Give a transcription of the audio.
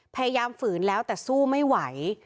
พยายามฝืนแล้วแต่สู้ไม่ไหว